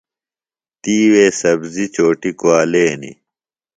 تی وے سبزی چوٹیۡ کُوالینیۡ۔